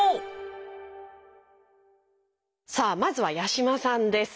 さあまずは八嶋さんです。